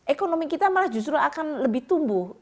ekonomi kita malah justru akan lebih tumbuh